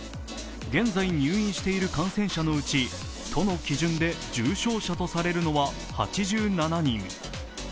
現在、入院している感染者のうち都の基準で重症者とされるのは８７人。